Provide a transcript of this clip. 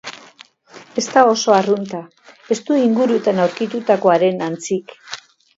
Ez da oso arrunta, ez du inguruetan aurkitutakoaren antzik.